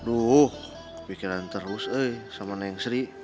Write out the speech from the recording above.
aduh kepikiran terus eh sama neng sri